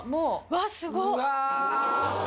わっすごっ！